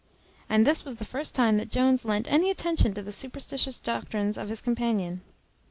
And this was the first time that Jones lent any attention to the superstitious doctrines of his companion.